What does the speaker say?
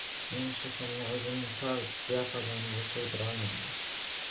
– yangi shaklni o‘zining tor diapazoniga sig‘dirolmaydi